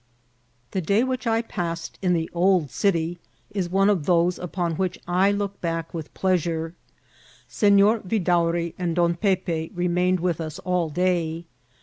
The day which I passed at the <^ old city" is one of those upon which I look back with pleasure. Sefior Vidaury and Don Pepe remained with us all day.